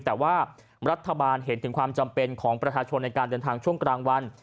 แต่ว่ารัฐบาลเห็นถึงความจำเป็นของประชาชนในการเดินทางช่วงกลางวัน